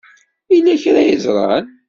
Yella kra ay ẓran?